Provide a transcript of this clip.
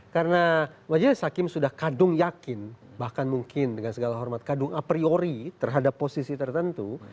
karena wajibnya si hakim sudah kadung yakin bahkan mungkin dengan segala hormat kadung a priori terhadap posisi tertentu